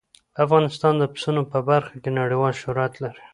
افغانستان د پسونو په برخه کې نړیوال شهرت لري.